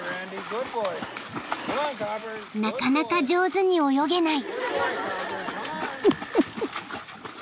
［なかなか上手に泳げない］